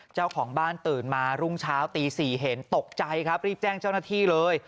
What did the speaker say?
เจ้าของบ้านตื่นมารุ่งเช้าตี๔เห็นตกใจครับรีบแจ้งเจ้าหน้าที่เลย